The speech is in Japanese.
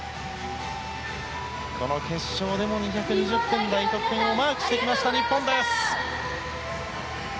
この決勝でも２２０点台の得点をマークしてきました、日本です。